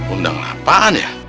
undang apaan ya